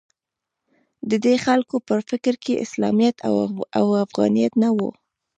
د دې خلکو په فکر کې اسلامیت او افغانیت نه و